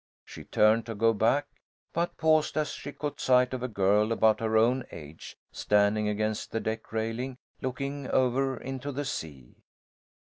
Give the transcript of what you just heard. She turned to go back, but paused as she caught sight of a girl, about her own age, standing against the deck railing, looking over into the sea.